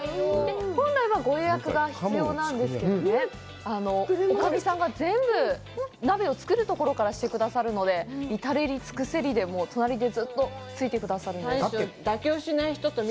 本来はご予約が必要なんですけどね、おかみさんが全部鍋を作るところからしてくださるので、至れり尽くせりで隣でずっとついてくださるんです。